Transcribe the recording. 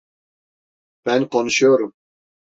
Ben konuşuyorum!